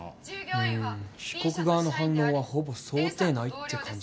うーん被告側の反論はほぼ想定内って感じだね。